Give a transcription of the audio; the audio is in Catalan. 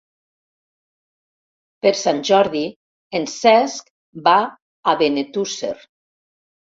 Per Sant Jordi en Cesc va a Benetússer.